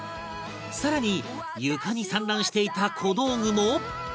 更に床に散乱していた小道具も